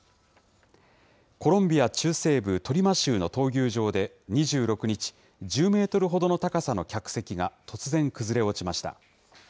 コロンビア中西部トリマ州の闘牛場で２６日、１０メートルほどの高さの客席が突然崩れ落ちました。